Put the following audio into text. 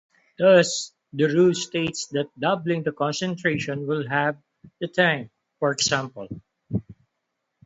Thus, the rule states that doubling the concentration will halve the time, for example.